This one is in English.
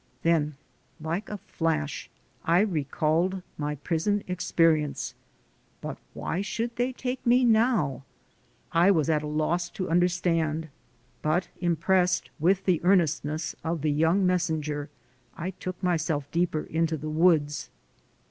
Then like a flash I recalled my prison expe rience. But why should they take me now? I was at a loss to understand, but impressed with the earnestness of the young messenger, I took myself deeper into the woods.